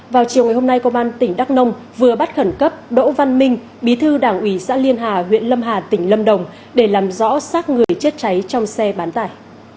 vào chiều ngày hôm nay công an tỉnh đắk nông vừa bắt khẩn cấp đỗ văn minh bí thư đảng ủy xã liên hà huyện lâm hà tỉnh lâm đồng để làm rõ sát người chết cháy trong xe bán tải